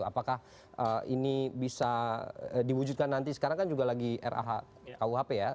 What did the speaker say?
apakah ini bisa diwujudkan nanti sekarang kan juga lagi rah kuhp ya